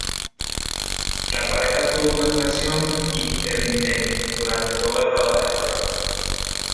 La pareja tuvo una relación intermitente durante todo el rodaje del programa.